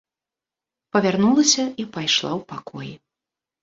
Павярнулася і пайшла ў пакоі.